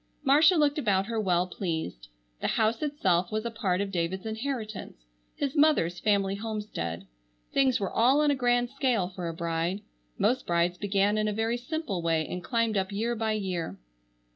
Marcia looked about her well pleased. The house itself was a part of David's inheritance, his mother's family homestead. Things were all on a grand scale for a bride. Most brides began in a very simple way and climbed up year by year.